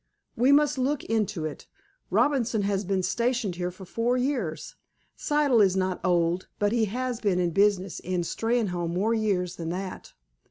"We must look into it. Robinson has been stationed here four years. Siddle is not old, but he has been in business in Steynholme more years than that.